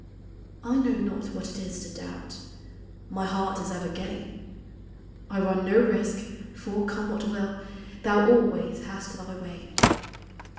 1 know not what it is to doubt, My heart is ever gay ; 1 run no risk, for, come what will, Thou always hast thy way.